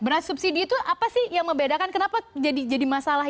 beras subsidi itu apa sih yang membedakan kenapa jadi masalah